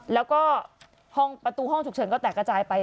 แล้วก็ห้องประตูห้องฉุกเฉินก็แตกกระจายไป